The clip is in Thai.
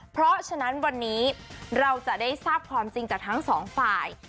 เพราะฉะนั้นวันนี้เราจะได้ทราบความจริงจากทั้งสองฝ่าย